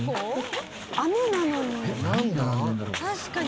雨なのに。